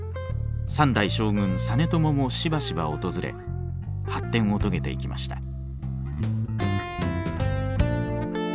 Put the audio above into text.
三代将軍実朝もしばしば訪れ発展を遂げていきました。